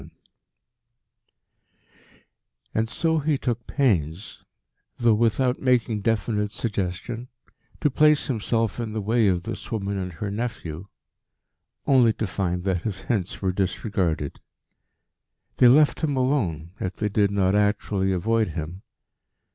VII And so he took pains, though without making definite suggestion, to place himself in the way of this woman and her nephew only to find that his hints were disregarded. They left him alone, if they did not actually avoid him.